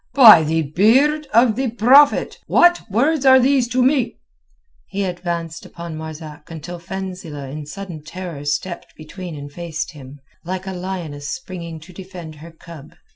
"By the beard of the Prophet! what words are these to me?" He advanced upon Marzak until Fenzileh in sudden terror stepped between and faced him, like a lioness springing to defend her cub.